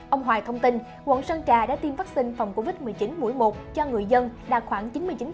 ông hoài thông tin quận sơn trà đã tiêm vaccine phòng covid một mươi chín mũi một cho người dân đạt khoảng chín mươi chín